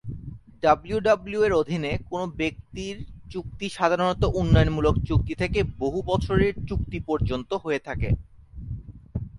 ডাব্লিউডাব্লিউই-এর অধীনে কোন ব্যক্তির চুক্তি সাধারণত উন্নয়নমূলক চুক্তি থেকে বহু বছরের চুক্তি পর্যন্ত হয়ে থাকে।